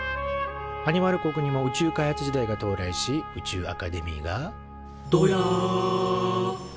アニマル国にも宇宙開発時代が到来し宇宙アカデミーが「どや！」と誕生。